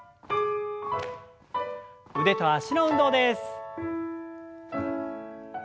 腕と脚の運動です。